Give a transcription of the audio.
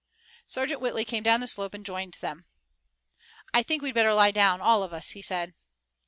Sergeant Whitley came down the slope and joined them. "I think we'd better lie down, all of us," he said.